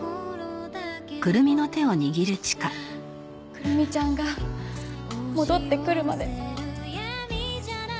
くるみちゃんが戻ってくるまで。